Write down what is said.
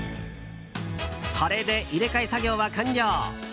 これで入れ替え作業は完了。